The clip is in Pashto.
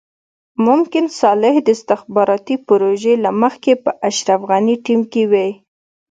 ممکن صالح د استخباراتي پروژې له مخې په اشرف غني ټيم کې وي.